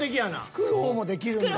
作る方もできるんだ。